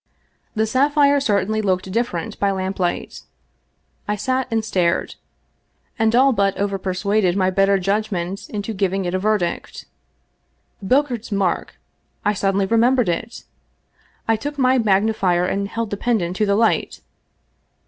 The sapphire certainly looked different by lamplight. I sat and stated, and all but overpersuaded my better judg ment into giving it a verdict. Bogaerts's mark — I suddenly remembered it. I took my magnifier and held the pendant to the light.